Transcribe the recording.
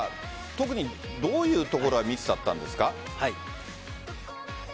特にどういうところがミスだったんですか？